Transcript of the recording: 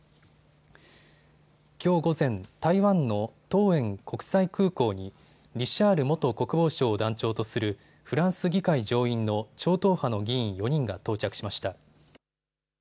きょう午前、台湾の桃園国際空港にリシャール元国防相を団長とするフランス議会上院の超党派の議員４人が到着しました。